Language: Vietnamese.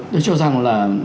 tôi cho rằng là